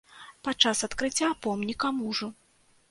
Падчас адкрыцця помніка мужу.